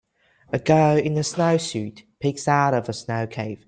A girl in a snowsuit peeks out of a snow cave.